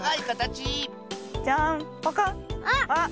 あっ！